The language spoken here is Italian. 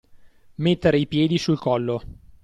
Mettere i piedi sul collo.